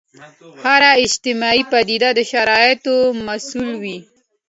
هره اجتماعي پدیده د شرایطو محصول وي.